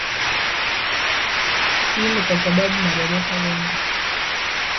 hii ni kwa sababu madereva wengi